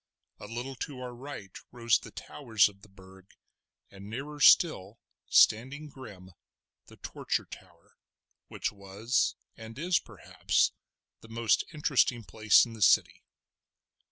A little to our right rose the towers of the Burg, and nearer still, standing grim, the Torture Tower, which was, and is, perhaps, the most interesting place in the city.